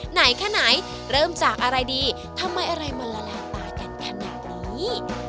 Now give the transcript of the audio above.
ไหนแค่ไหนเริ่มจากอะไรดีทำไมอะไรมันละลานตากันขนาดนี้